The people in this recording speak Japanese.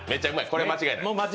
これは間違いない？